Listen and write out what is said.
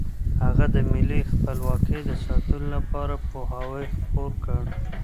هغه د ملي خپلواکۍ د ساتلو لپاره پوهاوی خپور کړ.